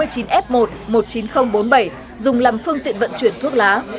xe chín f một một mươi chín nghìn bốn mươi bảy dùng làm phương tiện vận chuyển thuốc lá